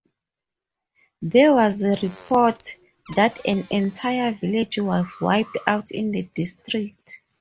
There was a report that an entire village was wiped out in the district.